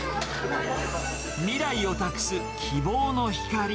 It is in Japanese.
未来を託す希望の光。